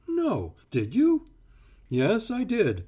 "No, did you?" "Yes, I did.